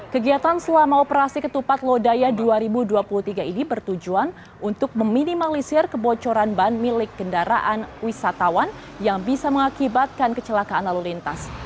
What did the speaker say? kegiatan selama operasi ketupat lodaya dua ribu dua puluh tiga ini bertujuan untuk meminimalisir kebocoran ban milik kendaraan wisatawan yang bisa mengakibatkan kecelakaan lalu lintas